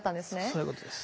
そういうことです。